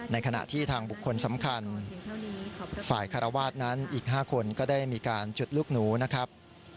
ในขณะที่ทางบุคคลสำคัญฝ่ายคารวาสนั้นอีก๕คนก็ได้มีการจุดลูกหนูนะครับ